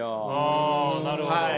あなるほど。